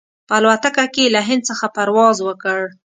په الوتکه کې یې له هند څخه پرواز وکړ.